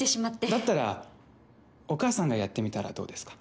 だったらお母さんがやってみたらどうですか。